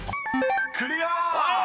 ［クリア！］